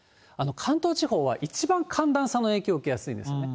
関東地方は、一番寒暖差の影響を受けやすいんですね。